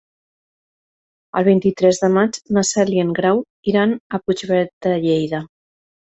El vint-i-tres de maig na Cel i en Grau iran a Puigverd de Lleida.